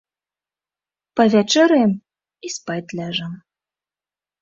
Павячэраем і спаць ляжам.